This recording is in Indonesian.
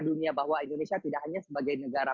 dunia bahwa indonesia tidak hanya sebagai negara